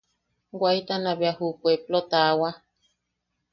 Waitana bea ju puepplo taawa.